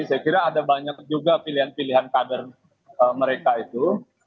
saya kira ada banyak juga pilihan pilihan kader mereka itu